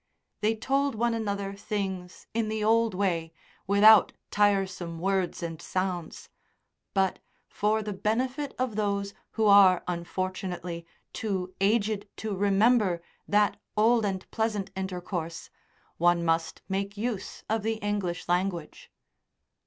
They told one another things in the old way without tiresome words and sounds; but, for the benefit of those who are unfortunately too aged to remember that old and pleasant intercourse, one must make use of the English language.